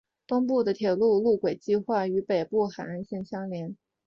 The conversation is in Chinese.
东部的铁路路轨计画与北部海滩相联接。